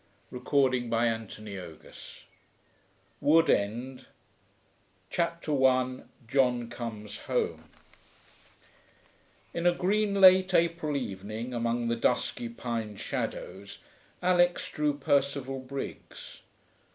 NEW YEAR'S EVE PART I WOOD END CHAPTER I JOHN COMES HOME 1 In a green late April evening, among the dusky pine shadows, Alix drew Percival Briggs.